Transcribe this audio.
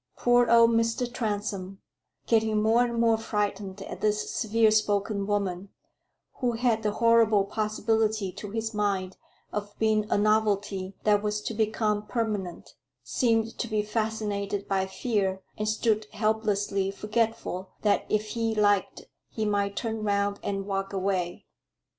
Poor old Mr. Transome, getting more and more frightened at this severe spoken woman, who had the horrible possibility to his mind of being a novelty that was to become permanent, seemed to be fascinated by fear, and stood helplessly forgetful that if he liked he might turn round and walk away.